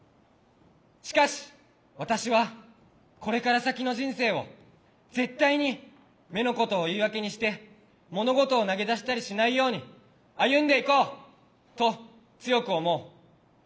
しかし私はこれから先の人生を絶対に目のことを言い訳にして物事を投げ出したりしないように歩んでいこうと強く思う。